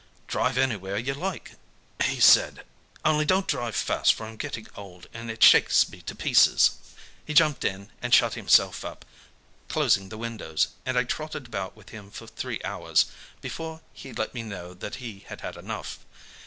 'Drive anywhere you like,' he said; 'only don't drive fast for I'm getting old, and it shakes me to pieces.' He jumped in, and shut himself up, closing the windows, and I trotted about with him for three hours, before he let me know that he had had enough.